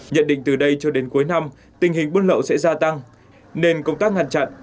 nhận định từ đây cho đến cuối năm tình hình buôn lậu sẽ gia tăng nên công tác ngăn chặn